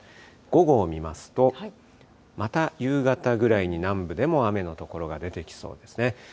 午後を見ますと、また夕方ぐらいに南部でも雨の所が出てきそうですね。